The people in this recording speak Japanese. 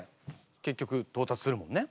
結局到達するもんね